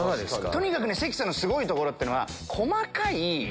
とにかく関さんのすごいところっていうのは。